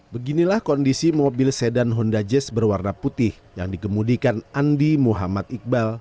beginilah kondisi mobil sedan honda jazz berwarna putih yang dikemudikan andi muhammad iqbal